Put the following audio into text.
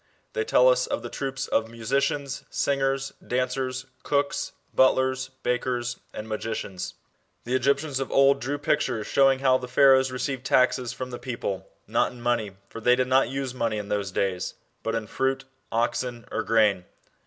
They tell us of tLe troops of musicians, singers, dancers, cooks, butlers, bakers, and magicians. The Egyptians of old drew pictures showing how the Pharaohs received taxes from the people, not in money, for they did not use money in those days, but in fruit, oxen, or grain.